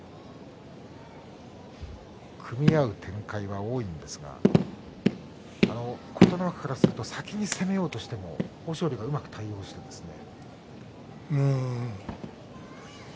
組み合う展開は多いんですが琴ノ若からすると先に攻めようとしても豊昇龍がうまく対応してですね。